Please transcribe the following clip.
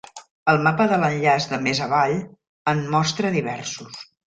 El mapa de l"enllaç de més avall en mostra diversos.